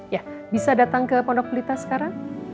ya bisa datang ke pondok pelita sekarang